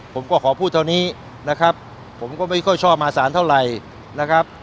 ผมก็ขอพูดเท่านี้นะครับผมก็ไม่ค่อยชอบมาสารเท่าไหร่นะครับ